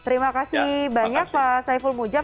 terima kasih banyak pak saiful mujad